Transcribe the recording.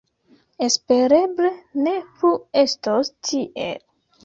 Espereble ne plu estos tiel.